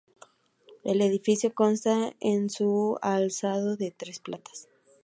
El edificio consta en su alzado de tres plantas.